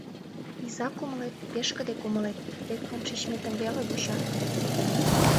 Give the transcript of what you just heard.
Иза кумылет — пешкыде кумылет, лектын шичметым веле вуча.